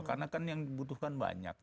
karena kan yang dibutuhkan banyak